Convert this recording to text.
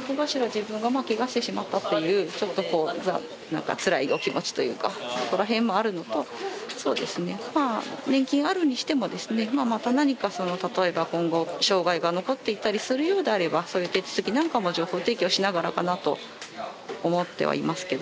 自分がまあケガしてしまったっていうちょっとこうつらいお気持ちというかそこら辺もあるのとそうですねまあ年金あるにしてもですねまた何か例えば今後障害が残っていったりするようであればそういう手続きなんかも情報提供しながらかなと思ってはいますけど。